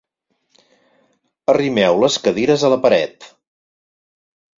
Arrimeu les cadires a la paret.